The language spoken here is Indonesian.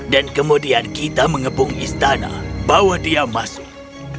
dan kemudian kita mengepung istana bawa dia masuk